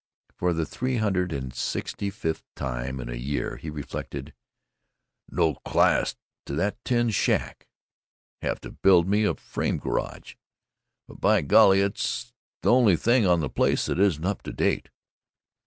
For the three hundred and sixty fifth time in a year he reflected, "No class to that tin shack. Have to build me a frame garage. But by golly it's the only thing on the place that isn't up to date!"